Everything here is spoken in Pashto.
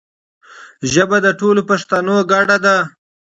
ژبه د ټولو پښتانو ګډه ده.